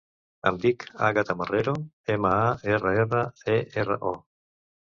Em dic Àgata Marrero: ema, a, erra, erra, e, erra, o.